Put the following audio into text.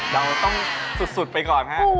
เราต้องสุดไปก่อนฮะ